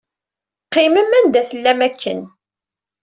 Qqimem anda i tellam akken.